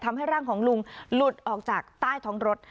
ทำให้ร่างของลุงหลุดออกจากใต้ท้องรถ